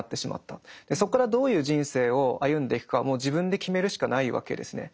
そこからどういう人生を歩んでいくかはもう自分で決めるしかないわけですね。